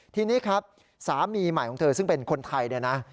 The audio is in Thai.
ทีนี้ครับสามีใหม่ของเธอซึ่งเป็นคนไทยเนี่ยนะ